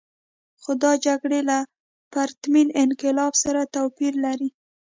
خو دا جګړې له پرتمین انقلاب سره توپیر لري.